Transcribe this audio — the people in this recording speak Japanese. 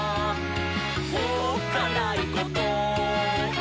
「おっかないこと？」